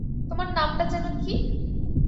তোমার নামটা যেন কি?